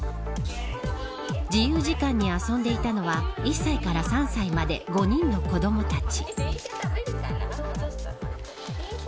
自由時間に遊んでいたのは１歳から３歳まで５人の子どもたち。